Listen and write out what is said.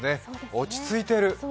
落ち着いてる。